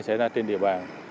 xảy ra trên địa bàn